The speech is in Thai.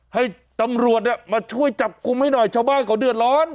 ให้ตำรวจเนี่ยมาช่วยจับกลุ่มให้หน่อยชาวบ้านเขาเดือดร้อน